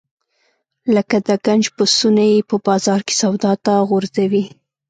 لکه د ګنج پسونه یې په بازار کې سودا ته غورځوي.